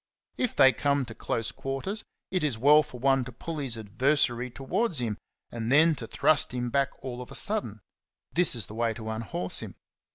If they come to close quarters, it is well for one to pull his adversary towards him and then to thrust him back all of a sud den ; this is the way to unhorse him.